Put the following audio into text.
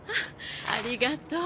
ありがとう。